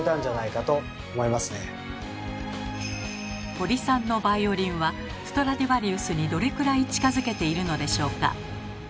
堀さんのバイオリンはストラディヴァリウスにどれくらい近づけているのでしょうか。